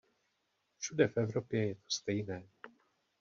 Všude v Evropě je to stejné.